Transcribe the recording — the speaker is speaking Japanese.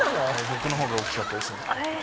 僕の方が大きかったですね。